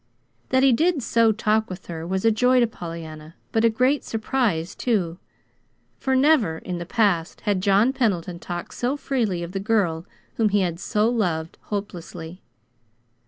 That he did so talk with her was a joy to Pollyanna, but a great surprise, too; for, never in the past, had John Pendleton talked so freely of the girl whom he had so loved hopelessly.